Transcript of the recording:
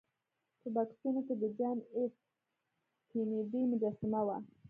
په بکسونو کې د جان ایف کینیډي مجسمه وه